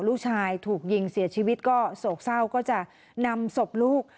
ลูกชายถูกยิงเสียชีวิตก็โศกเศร้าก็จะนำศพลูก